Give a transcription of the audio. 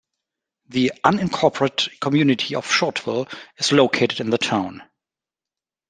The unincorporated community of Shortville is located in the town.